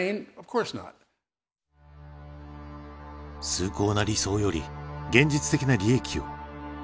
崇高な理想より現実的な利益を。